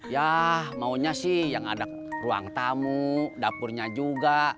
ya maunya sih yang ada ruang tamu dapurnya juga